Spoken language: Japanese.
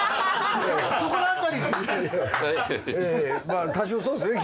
あ多少そうですね